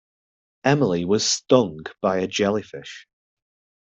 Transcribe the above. Emily was stung by a jellyfish.